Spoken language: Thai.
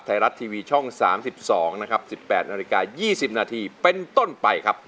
ไทยรัฐทีวีช่อง๓๒นะครับ๑๘นาฬิกา๒๐นาทีเป็นต้นไปครับ